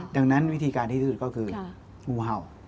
ดังนั้นวิธีการที่สุดก็คืองูเห่า